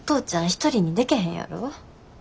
一人にでけへんやろ？